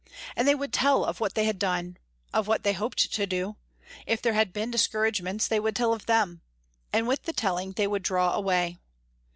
And they would tell of what they had done; of what they hoped to do; if there had been discouragements they would tell of them, and with the telling they would draw away.